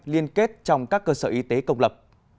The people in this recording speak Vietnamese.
liên kết trong các cơ sở y tế công lập